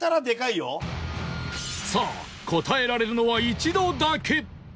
さあ答えられるのは一度だけ